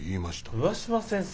上嶋先生